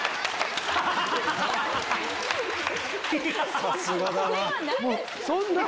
さすがだな。